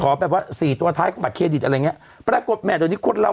แบบว่าสี่ตัวท้ายของบัตรเครดิตอะไรอย่างเงี้ยปรากฏแหม่เดี๋ยวนี้คนเรา